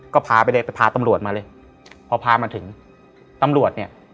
ก็พาไปเลยไปพาตำรวจมาเลยพอพามาถึงตำรวจเนี่ย